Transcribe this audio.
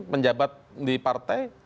penjabat di partai